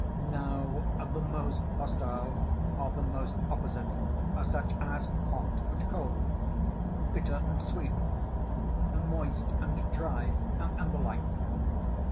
Now the most hostile are the most opposite, such as hot and cold, bitter and sweet, moist and dry, and the like.